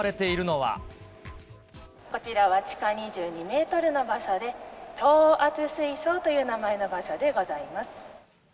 こちらは、地下２２メートルの場所で、調圧水槽という名前の場所でございます。